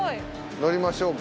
乗りましょうか。